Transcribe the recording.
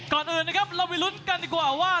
ก่อนอื่นนะครับเราไปลุ้นกันดีกว่าว่า